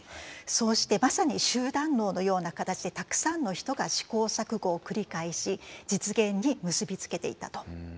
そうしてまさに集団脳のような形でたくさんの人が試行錯誤を繰り返し実現に結び付けていったと。